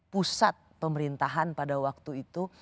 pusat pemerintahan pada waktu itu